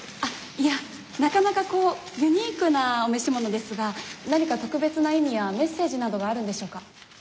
いやなかなかこうユニークなお召し物ですが何か特別な意味やメッセージなどがあるんでしょうか？